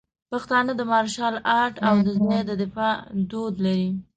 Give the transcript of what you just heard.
پښتانه د مارشل آرټ او د ځان د دفاع دود لري.